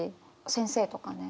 先生とかね。